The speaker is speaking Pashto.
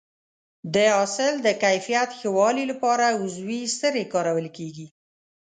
د حاصل د کیفیت ښه والي لپاره عضوي سرې کارول کېږي.